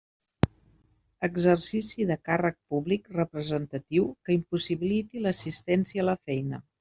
Exercici de càrrec públic representatiu que impossibiliti l'assistència a la feina.